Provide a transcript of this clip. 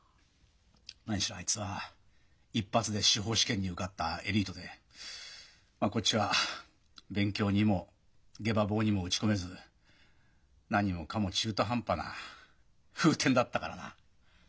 何しろあいつは一発で司法試験に受かったエリートでこっちは勉強にもゲバ棒にも打ち込めず何もかも中途半端なフーテンだったからな。